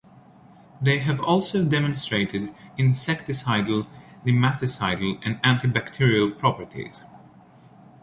They have also demonstrated insecticidal, nematicidal, and antibacterial properties.